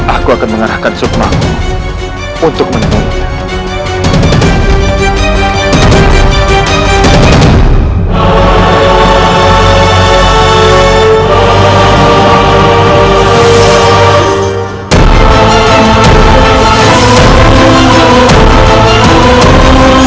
aku akan mengarahkan suddenly